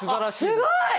すごい！